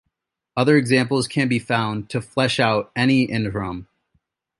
Other examples can be found to flesh out any interim.